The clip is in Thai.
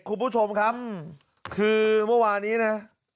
คุณผู้ชมครับคือเมื่อวานนี้นะ